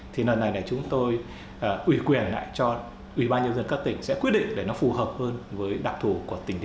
thì lần này chúng tôi ủy quyền lại cho ubnd các tỉnh sẽ quyết định để nó phù hợp hơn với đặc thù của tỉnh